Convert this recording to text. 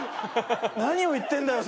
何を言ってんだよ